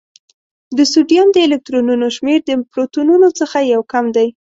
د سوډیم د الکترونونو شمېر د پروتونونو څخه یو کم دی.